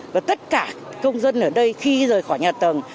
và tất cả công dân ở đây khi rời khỏi nhà tầng